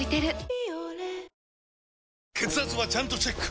「ビオレ」血圧はちゃんとチェック！